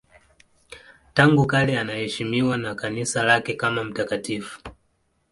Tangu kale anaheshimiwa na Kanisa lake kama mtakatifu.